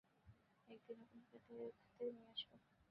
একদিন আপনাকে দেখাতে নিয়ে আসব।